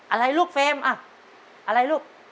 อะไรลูกเฟรมอ่ะอะไรลูก